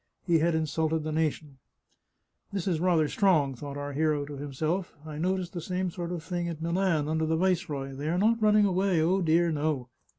He had insulted the nation !" This is rather strong," thought our hero to himself. " I noticed the same sort of thing at Milan under the viceroy. They are not running away — oh, dear, no